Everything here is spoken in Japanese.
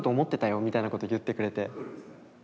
みたいなこと言ってくれて。